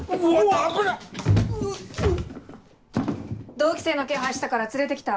同期生の気配したから連れて来た。